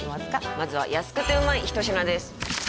まずは安くてうまい一品です